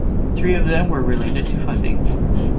Three of them were related to funding.